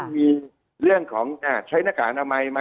มีเรื่องของใช้หน้าการอ่ะไหม